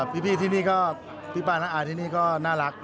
พี่ที่นี่ก็พี่ป้าน้าอาที่นี่ก็น่ารัก